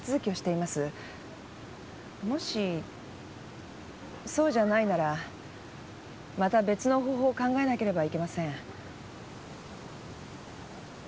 もしそうじゃないならまた別の方法を考えなければいけません。